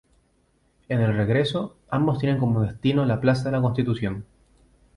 En el regreso, ambos tienen como destino la Plaza de la Constitución.